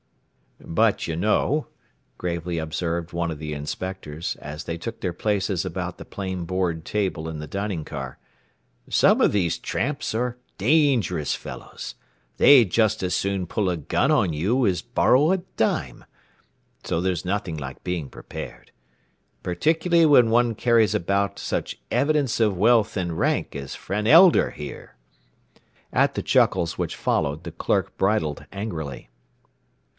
"But you know," gravely observed one of the inspectors, as they took their places about the plain board table in the dining car, "some of these tramps are dangerous fellows. They'd just as soon pull a gun on you as borrow a dime. So there's nothing like being prepared. Particularly when one carries about such evidence of wealth and rank as friend Elder, here." At the chuckles which followed the clerk bridled angrily.